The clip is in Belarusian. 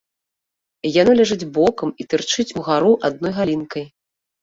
Яно ляжыць бокам і тырчыць угару адной галінкай.